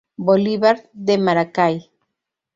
Bolívar de Maracay.